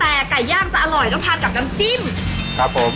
แต่ไก่ย่างจะอร่อยต้องทานกับน้ำจิ้มครับผม